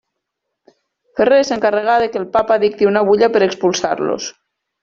Ferrer s'encarregà de què el papa dicti una butlla per expulsar-los.